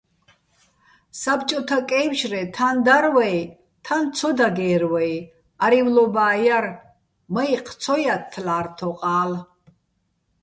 საბჭოთაკეჲვშრე თან დარ ვაჲ, თან ცო დაგერ ვაჲ, არი́ვლობა́ ჲარ, მაჲჴი̆ ცო ჲათთლა́რ თოყა́ლ.